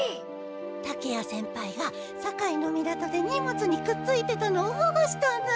竹谷先輩が堺の港で荷物にくっついてたのをほごしたんだ。